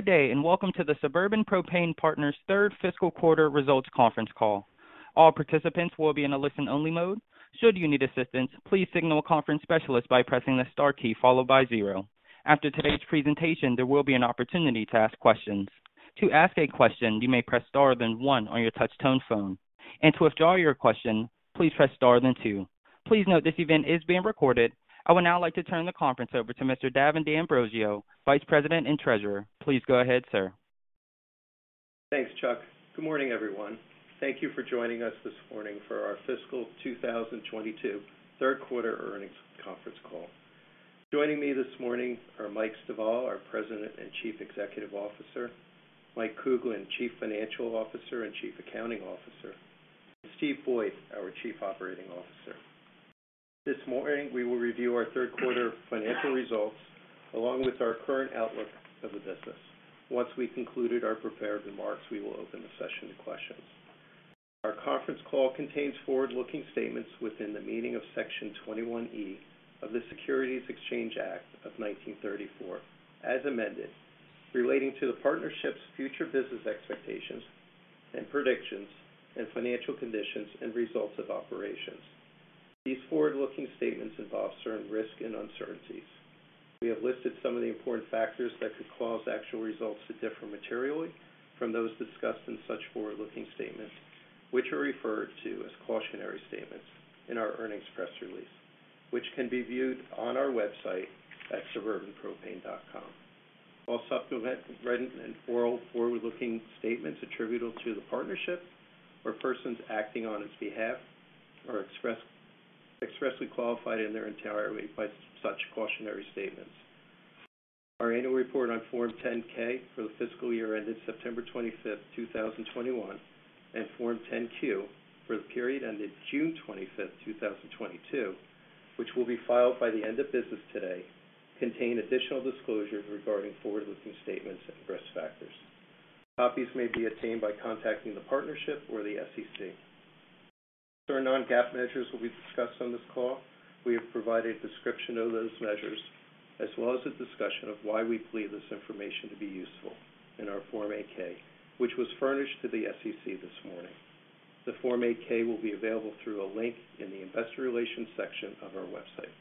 Good day, and welcome to the Suburban Propane Partners third fiscal quarter results conference call. All participants will be in a listen-only mode. Should you need assistance, please signal a conference specialist by pressing the star key followed by zero. After today's presentation, there will be an opportunity to ask questions. To ask a question, you may press star then one on your touch-tone phone. To withdraw your question, please press star then two. Please note this event is being recorded. I would now like to turn the conference over to Mr. Davin D'Ambrosio, Vice President and Treasurer. Please go ahead, sir. Thanks, Chuck. Good morning, everyone. Thank you for joining us this morning for our fiscal 2022 third quarter earnings conference call. Joining me this morning are Michael Stivala, our President and Chief Executive Officer, Michael Kuglin, Chief Financial Officer and Chief Accounting Officer, Steven Boyd, our Chief Operating Officer. This morning, we will review our third quarter financial results along with our current outlook of the business. Once we've concluded our prepared remarks, we will open the session to questions. Our conference call contains forward-looking statements within the meaning of Section 21E of the Securities Exchange Act of 1934, as amended, relating to the partnership's future business expectations and predictions and financial conditions and results of operations. These forward-looking statements involve certain risks and uncertainties. We have listed some of the important factors that could cause actual results to differ materially from those discussed in such forward-looking statements, which are referred to as cautionary statements in our earnings press release, which can be viewed on our website at suburbanpropane.com. All supplemental written forward-looking statements attributable to the partnership or persons acting on its behalf are expressly qualified in their entirety by such cautionary statements. Our annual report on Form 10-K for the fiscal year ended September 25, 2021, and Form 10-Q for the period ended June 25, 2022, which will be filed by the end of business today, contain additional disclosures regarding forward-looking statements and risk factors. Copies may be attained by contacting the partnership or the SEC. Certain non-GAAP measures will be discussed on this call. We have provided a description of those measures as well as a discussion of why we believe this information to be useful in our Form 8-K, which was furnished to the SEC this morning. The Form 8-K will be available through a link in the investor relations section of our website.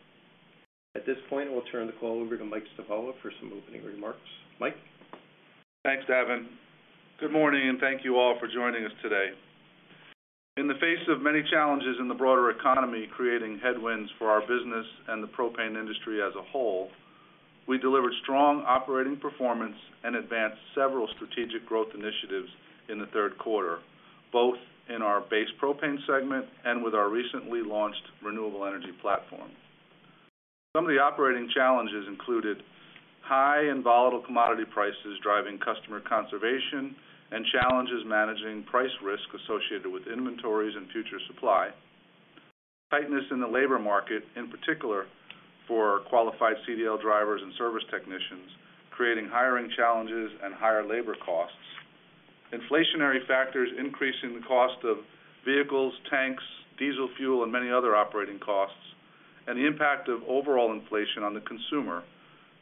At this point, I will turn the call over to Mike Stivala for some opening remarks. Mike? Thanks, Davin. Good morning, and thank you all for joining us today. In the face of many challenges in the broader economy, creating headwinds for our business and the propane industry as a whole, we delivered strong operating performance and advanced several strategic growth initiatives in the third quarter, both in our base propane segment and with our recently launched renewable energy platform. Some of the operating challenges included high and volatile commodity prices driving customer conservation and challenges managing price risk associated with inventories and future supply, tightness in the labor market, in particular for qualified CDL drivers and service technicians, creating hiring challenges and higher labor costs, inflationary factors increasing the cost of vehicles, tanks, diesel fuel, and many other operating costs, and the impact of overall inflation on the consumer,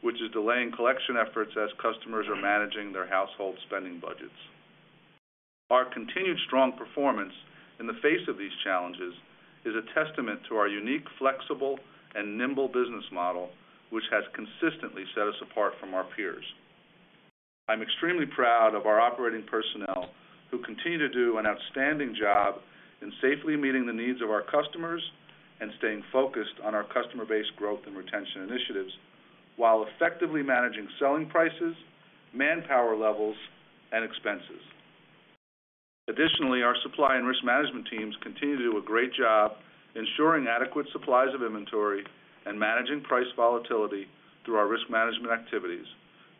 which is delaying collection efforts as customers are managing their household spending budgets. Our continued strong performance in the face of these challenges is a testament to our unique, flexible and nimble business model, which has consistently set us apart from our peers. I'm extremely proud of our operating personnel, who continue to do an outstanding job in safely meeting the needs of our customers and staying focused on our customer base growth and retention initiatives while effectively managing selling prices, manpower levels, and expenses. Additionally, our supply and risk management teams continue to do a great job ensuring adequate supplies of inventory and managing price volatility through our risk management activities,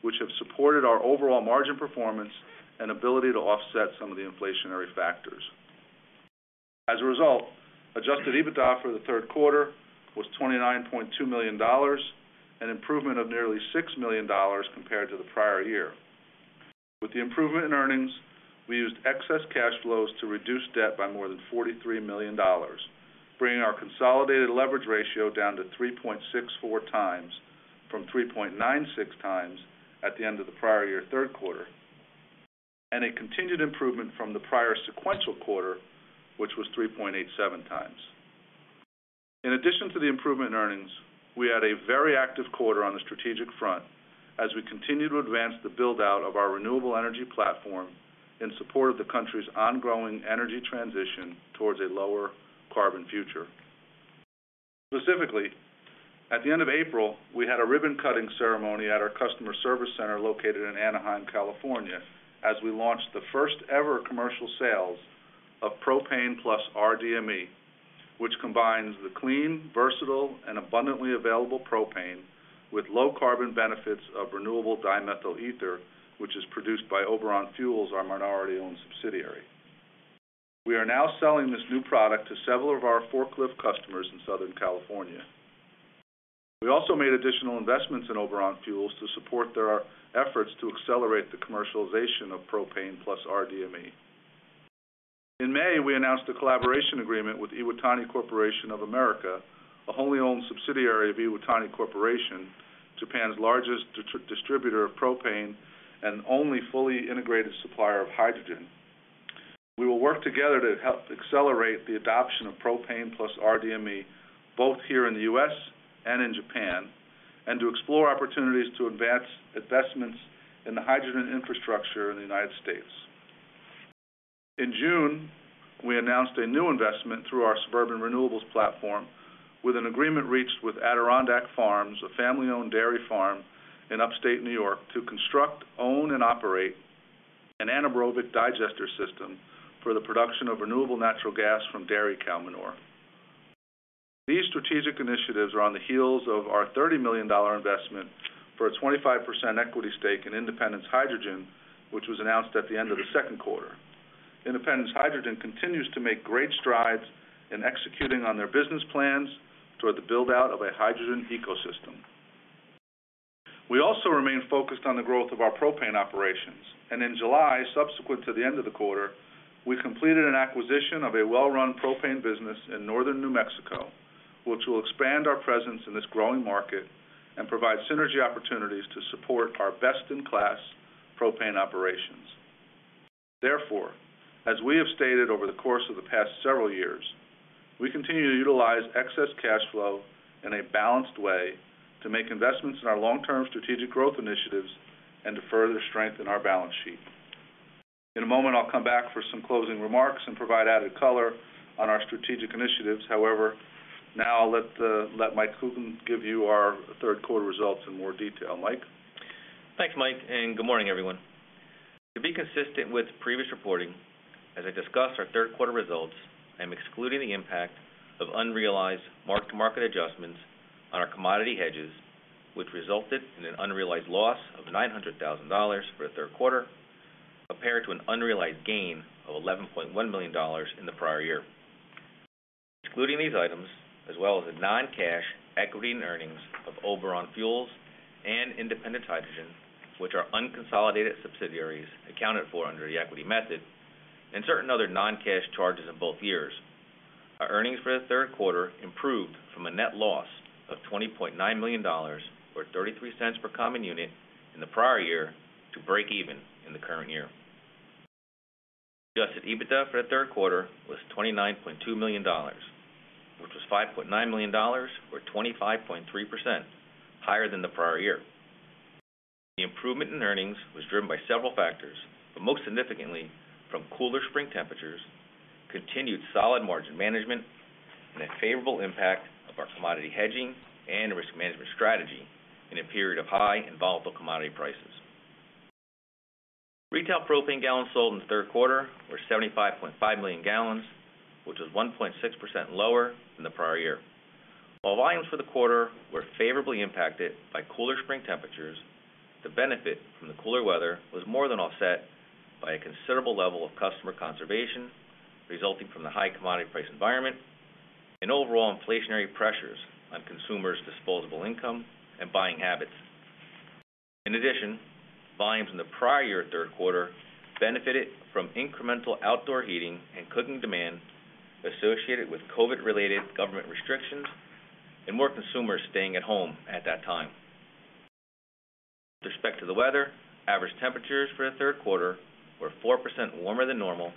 which have supported our overall margin performance and ability to offset some of the inflationary factors. As a result, adjusted EBITDA for the third quarter was $29.2 million, an improvement of nearly $6 million compared to the prior year. With the improvement in earnings, we used excess cash flows to reduce debt by more than $43 million, bringing our consolidated leverage ratio down to 3.64x from 3.96x at the end of the prior year third quarter, and a continued improvement from the prior sequential quarter, which was 3.87x. In addition to the improvement in earnings, we had a very active quarter on the strategic front as we continued to advance the build-out of our renewable energy platform in support of the country's ongoing energy transition towards a lower carbon future. Specifically, at the end of April, we had a ribbon-cutting ceremony at our customer service center located in Anaheim, California, as we launched the first-ever commercial sales of Propane+rDME, which combines the clean, versatile and abundantly available propane with low carbon benefits of renewable dimethyl ether, which is produced by Oberon Fuels, our minority-owned subsidiary. We are now selling this new product to several of our forklift customers in Southern California. We also made additional investments in Oberon Fuels to support their efforts to accelerate the commercialization of Propane+rDME. In May, we announced a collaboration agreement with Iwatani Corporation of America, a wholly owned subsidiary of Iwatani Corporation, Japan's largest distributor of propane and only fully integrated supplier of hydrogen. We will work together to help accelerate the adoption of propane plus RDME both here in the U.S. and in Japan, and to explore opportunities to advance investments in the hydrogen infrastructure in the United States. In June, we announced a new investment through our Suburban Renewables platform, with an agreement reached with Adirondack Farms, a family-owned dairy farm in Upstate New York, to construct, own and operate an anaerobic digester system for the production of renewable natural gas from dairy cow manure. These strategic initiatives are on the heels of our $30 million investment for a 25% equity stake in Independence Hydrogen, which was announced at the end of the second quarter. Independence Hydrogen continues to make great strides in executing on their business plans toward the build-out of a hydrogen ecosystem. We also remain focused on the growth of our propane operations. In July, subsequent to the end of the quarter, we completed an acquisition of a well-run propane business in northern New Mexico, which will expand our presence in this growing market and provide synergy opportunities to support our best-in-class propane operations. Therefore, as we have stated over the course of the past several years, we continue to utilize excess cash flow in a balanced way to make investments in our long-term strategic growth initiatives and to further strengthen our balance sheet. In a moment, I'll come back for some closing remarks and provide added color on our strategic initiatives. However, now I'll let Michael Kuglin give you our third quarter results in more detail. Michael? Thanks, Mike, and good morning, everyone. To be consistent with previous reporting, as I discuss our third quarter results, I'm excluding the impact of unrealized mark-to-market adjustments on our commodity hedges, which resulted in an unrealized loss of $900,000 for the third quarter, compared to an unrealized gain of $11.1 million in the prior year. Excluding these items, as well as the non-cash equity and earnings of Oberon Fuels and Independence Hydrogen, which are unconsolidated subsidiaries accounted for under the equity method and certain other non-cash charges in both years, our earnings for the third quarter improved from a net loss of $20.9 million or $0.33 per common unit in the prior year to break even in the current year. Adjusted EBITDA for the third quarter was $29.2 million, which was $5.9 million or 25.3% higher than the prior year. The improvement in earnings was driven by several factors, but most significantly from cooler spring temperatures, continued solid margin management, and a favorable impact of our commodity hedging and risk management strategy in a period of high and volatile commodity prices. Retail propane gallons sold in the third quarter were 75.5 million gallons, which was 1.6% lower than the prior year. While volumes for the quarter were favorably impacted by cooler spring temperatures, the benefit from the cooler weather was more than offset by a considerable level of customer conservation resulting from the high commodity price environment and overall inflationary pressures on consumers' disposable income and buying habits. In addition, volumes in the prior year third quarter benefited from incremental outdoor heating and cooking demand associated with COVID-19-related government restrictions and more consumers staying at home at that time. With respect to the weather, average temperatures for the third quarter were 4% warmer than normal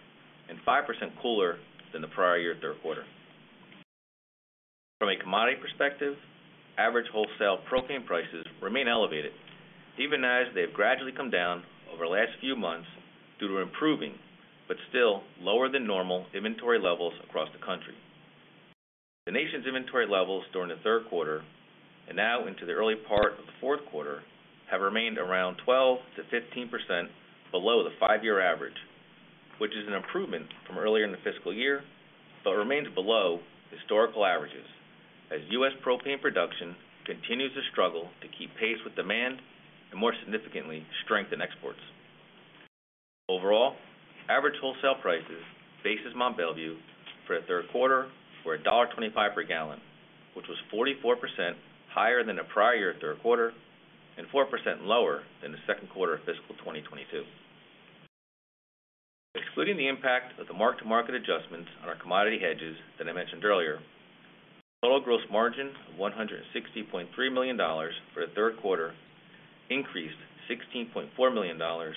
and 5% cooler than the prior year third quarter. From a commodity perspective, average wholesale propane prices remain elevated, even as they've gradually come down over the last few months due to improving but still lower than normal inventory levels across the country. The nation's inventory levels during the third quarter and now into the early part of the fourth quarter have remained around 12%-15% below the five-year average, which is an improvement from earlier in the fiscal year, but remains below historical averages as U.S. propane production continues to struggle to keep pace with demand and more significantly, strengthen exports. Overall, average wholesale prices basis Mont Belvieu for the third quarter were $1.25 per gallon, which was 44% higher than the prior year third quarter and 4% lower than the second quarter of fiscal 2022. Excluding the impact of the mark-to-market adjustments on our commodity hedges that I mentioned earlier, total gross margin of $160.3 million for the third quarter increased $16.4 million or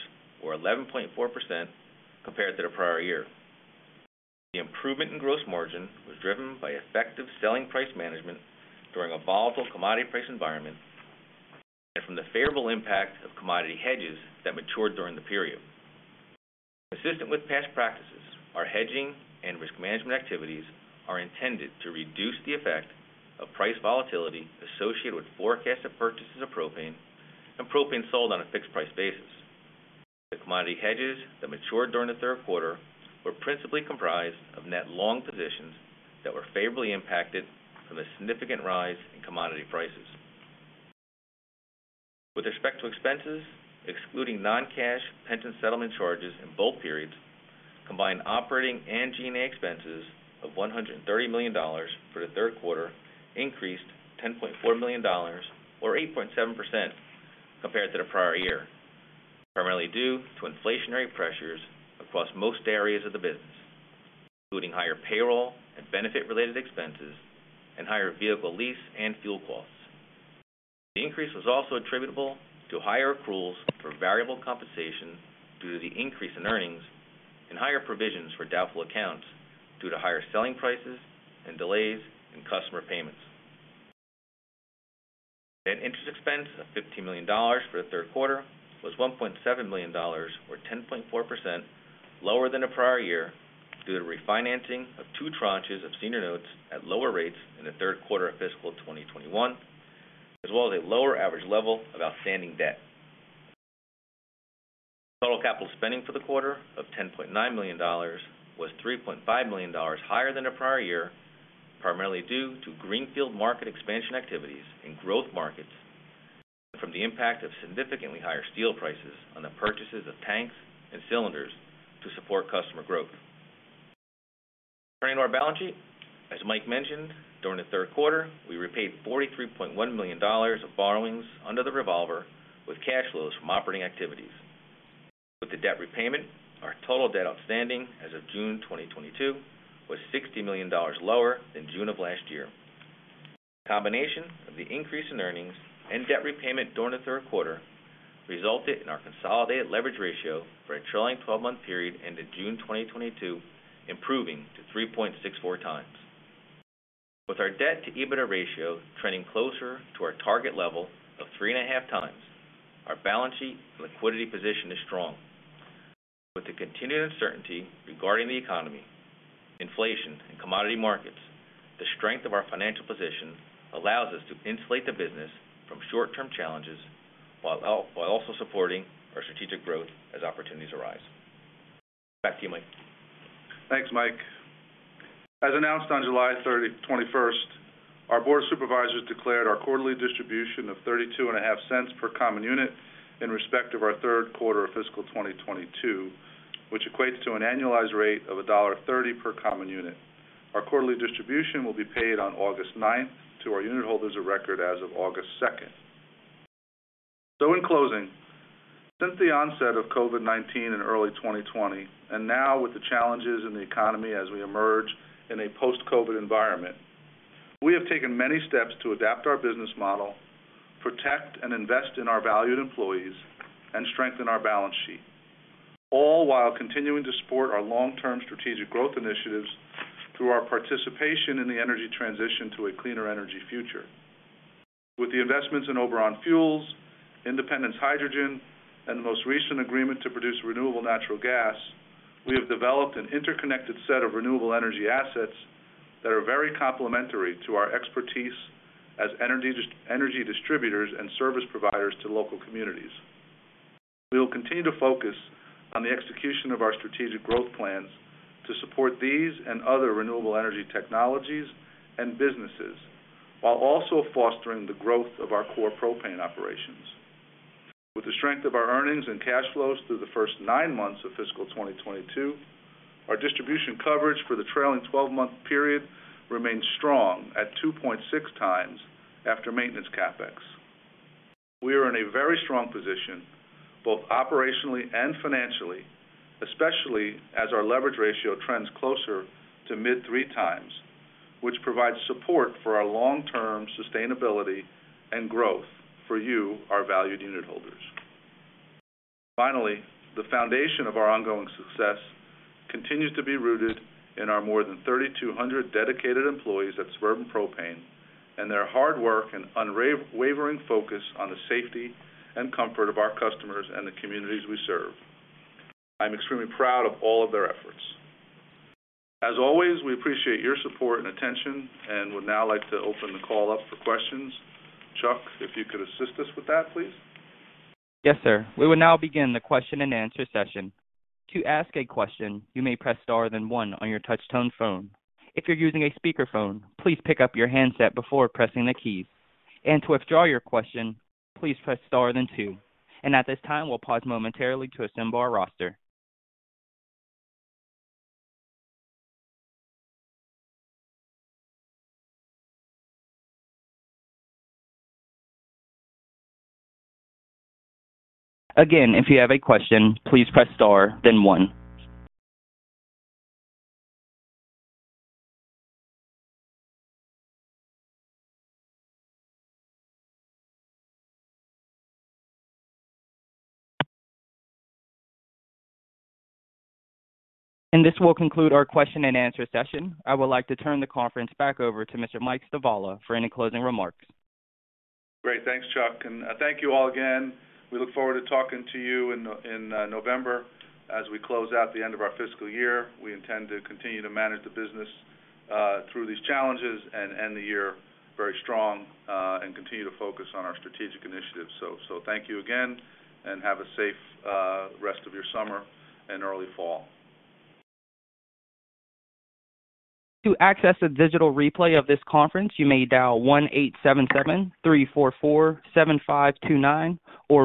11.4% compared to the prior year. The improvement in gross margin was driven by effective selling price management during a volatile commodity price environment and from the favorable impact of commodity hedges that matured during the period. Consistent with past practices, our hedging and risk management activities are intended to reduce the effect of price volatility associated with forecasted purchases of propane and propane sold on a fixed price basis. The commodity hedges that matured during the third quarter were principally comprised of net long positions that were favorably impacted from a significant rise in commodity prices. With respect to expenses, excluding non-cash pension settlement charges in both periods, combined operating and G&A expenses of $130 million for the third quarter increased $10.4 million or 8.7% compared to the prior year, primarily due to inflationary pressures across most areas of the business, including higher payroll and benefit-related expenses and higher vehicle lease and fuel costs. The increase was also attributable to higher accruals for variable compensation due to the increase in earnings and higher provisions for doubtful accounts due to higher selling prices and delays in customer payments. Net interest expense of $15 million for the third quarter was $1.7 million or 10.4% lower than the prior year due to refinancing of two tranches of senior notes at lower rates in the third quarter of fiscal 2021, as well as a lower average level of outstanding debt. Total capital spending for the quarter of $10.9 million was $3.5 million higher than the prior year, primarily due to greenfield market expansion activities in growth markets from the impact of significantly higher steel prices on the purchases of tanks and cylinders to support customer growth. Turning to our balance sheet. As Mike mentioned, during the third quarter, we repaid $43.1 million of borrowings under the revolver with cash flows from operating activities. With the debt repayment, our total debt outstanding as of June 2022 was $60 million lower than June of last year. The combination of the increase in earnings and debt repayment during the third quarter resulted in our consolidated leverage ratio for a trailing twelve-month period ended June 2022, improving to 3.64 times. With our debt to EBITDA ratio trending closer to our target level of 3.5x, our balance sheet and liquidity position is strong. With the continued uncertainty regarding the economy, inflation and commodity markets, the strength of our financial position allows us to insulate the business from short-term challenges while also supporting our strategic growth as opportunities arise. Back to you, Mike. Thanks, Mike. As announced on July 21, our Board of Supervisors declared our quarterly distribution of $0.325 per common unit in respect of our third quarter of fiscal 2022, which equates to an annualized rate of $1.30 per common unit. Our quarterly distribution will be paid on August 9 to our unit holders of record as of August 2. In closing, since the onset of COVID-19 in early 2020 and now with the challenges in the economy as we emerge in a post-COVID environment, we have taken many steps to adapt our business model, protect and invest in our valued employees and strengthen our balance sheet, all while continuing to support our long-term strategic growth initiatives through our participation in the energy transition to a cleaner energy future. With the investments in Oberon Fuels, Independence Hydrogen and the most recent agreement to produce renewable natural gas, we have developed an interconnected set of renewable energy assets that are very complementary to our expertise as energy distributors and service providers to local communities. We will continue to focus on the execution of our strategic growth plans to support these and other renewable energy technologies and businesses, while also fostering the growth of our core propane operations. With the strength of our earnings and cash flows through the first nine months of fiscal 2022, our distribution coverage for the trailing 12-month period remains strong at 2.6x after maintenance CapEx. We are in a very strong position, both operationally and financially, especially as our leverage ratio trends closer to mid-3x, which provides support for our long-term sustainability and growth for you, our valued unit holders. Finally, the foundation of our ongoing success continues to be rooted in our more than 3,200 dedicated employees at Suburban Propane and their hard work and unwavering focus on the safety and comfort of our customers and the communities we serve. I'm extremely proud of all of their efforts. As always, we appreciate your support and attention and would now like to open the call up for questions. Chuck, if you could assist us with that, please. Yes, sir. We will now begin the question and answer session. To ask a question, you may press star then one on your touch-tone phone. If you're using a speakerphone, please pick up your handset before pressing the keys. To withdraw your question, please press star then two. At this time, we'll pause momentarily to assemble our roster. Again, if you have a question, please press star then one. This will conclude our question and answer session. I would like to turn the conference back over to Mr. Michael Stivala for any closing remarks. Great. Thanks, Chuck, and thank you all again. We look forward to talking to you in November as we close out the end of our fiscal year. We intend to continue to manage the business through these challenges and end the year very strong and continue to focus on our strategic initiatives. Thank you again and have a safe rest of your summer and early fall. To access a digital replay of this conference, you may dial 1-877-344-7529 or